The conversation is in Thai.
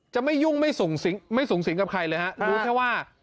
ไม่ยุ่งไม่สูงสิงกับใครเลยฮะรู้แค่ว่า